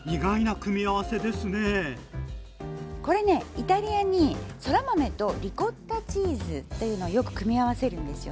イタリアにそら豆とリコッタチーズというのをよく組み合わせるんですよね。